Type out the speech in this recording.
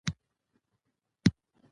که راځې وروستی دیدن دی لګولي مي ډېوې دي